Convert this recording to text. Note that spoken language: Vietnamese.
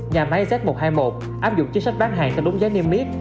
nhà máy z một trăm hai mươi một áp dụng chính sách bán hàng theo đúng giá niêm yết